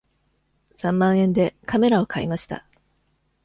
三万円でカメラを買いました。